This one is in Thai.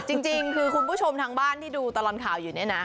จริงคือคุณผู้ชมทางบ้านที่ดูตลอดข่าวอยู่เนี่ยนะ